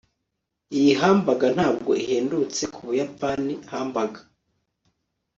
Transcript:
iyi hamburger ntabwo ihendutse kubuyapani hamburger